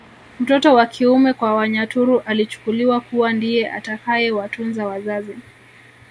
Mtoto wa kiume kwa Wanyaturu alichukuliwa kuwa ndiye atakayewatunza wazazi